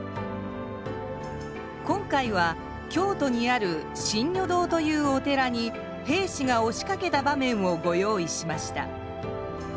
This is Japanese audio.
今回は京都にある真如堂というお寺に兵士がおしかけた場面をご用意しました。